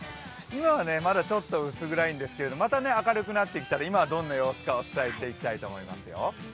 今はちょっとまだ薄暗いんですけれどもまた明るくなったら、今はどんな様子かお伝えしていきたいと思いますよ。